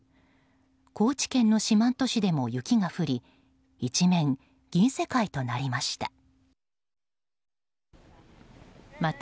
高知県の四万十市でも雪が降り一面銀世界となりました。